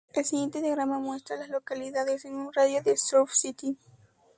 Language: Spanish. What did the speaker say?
El siguiente diagrama muestra a las localidades en un radio de de Surf City.